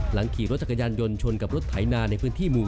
ขี่รถจักรยานยนต์ชนกับรถไถนาในพื้นที่หมู่๑